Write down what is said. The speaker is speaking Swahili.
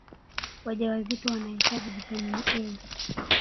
wajawazito wanahitaji vitamini A